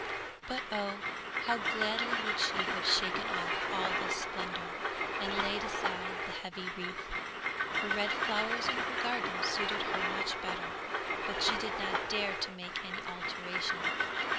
But oh! how gladly would she have shaken off all this splendour, and laid aside the heavy wreath. Her red flowers in her garden suited her much better, but she did not dare to make any alteration.